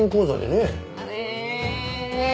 ねえ！